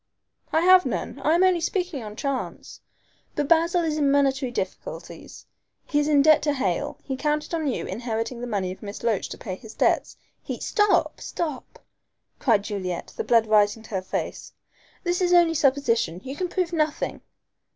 "I have none. I am only speaking on chance. But Basil is in monetary difficulties he is in debt to Hale he counted on you inheriting the money of Miss Loach to pay his debts. He " "Stop! stop!" cried Juliet, the blood rising to her face, "this is only supposition. You can prove nothing."